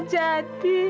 tidak ada kesalahan